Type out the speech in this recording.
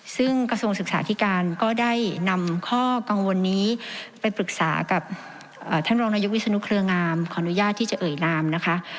ซึ่งกระทรวงศึกษาธิการก็ได้นำข้อกังวลนี้ไปปรึกษากับท่านรองนายกวิศนุเครืองามขออนุญาตที่จะเอ่ยนามนะคะ